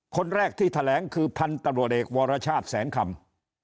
คนแรกที่แถลงคือพันธุ์ตำรวจเอกวรชาติแสนคำ